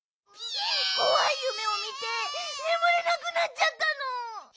こわいゆめをみてねむれなくなっちゃったの。